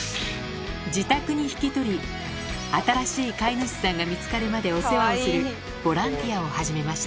自宅に引き取り、新しい飼い主さんが見つかるまでお世話をするボランティアを始めました。